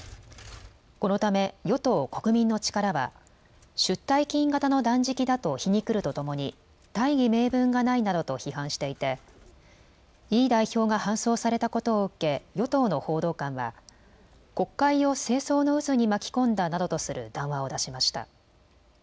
このため与党・国民の力は出退勤型の断食だと皮肉るとともに大義名分がないなどと批判していてイ代表が搬送されたことを受け与党の報道官は国会を政争の渦に巻き込んだなどとする談話を出しました。